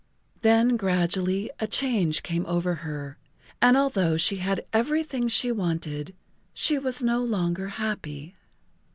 Then gradually a change came over her, and although she had everything she wanted, she was no longer happy.